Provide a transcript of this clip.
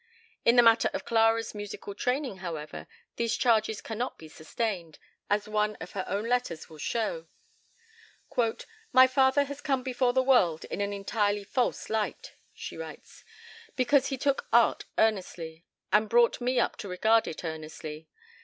In the matter of Clara's musical training, however, these charges cannot be sustained, as one of her own letters will show. "My father has come before the world in an entirely false light," she writes, "because he took art earnestly, and brought me up to regard it earnestly.